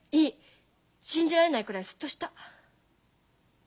信じられないくらいスッとした。